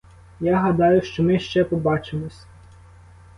Я гадаю, що ми ще побачимось.